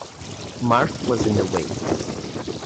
Marthe was in the way.